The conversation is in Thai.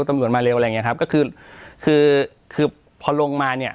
ตำรวจมาเร็วอะไรอย่างเงี้ครับก็คือคือคือพอลงมาเนี้ย